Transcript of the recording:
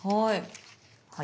はい。